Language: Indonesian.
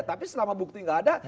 tapi selama bukti nggak ada